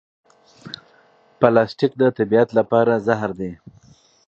پلاستیک د طبیعت لپاره زهر دی.